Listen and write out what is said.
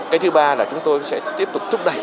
cái thứ ba là chúng tôi sẽ tiếp tục thúc đẩy